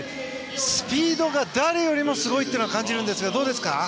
スピードが誰よりもすごいと感じますがどうですか？